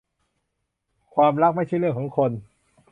ความรักไม่ใช่เรื่องของคน